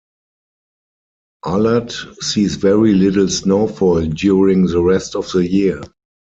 Alert sees very little snowfall during the rest of the year.